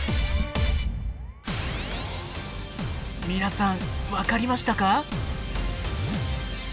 皆さん分かりましたか？